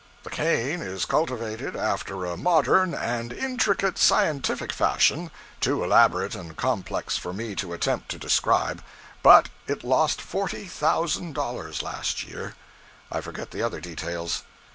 The cane is cultivated after a modern and intricate scientific fashion, too elaborate and complex for me to attempt to describe; but it lost $40,000 last year. I forget the other details.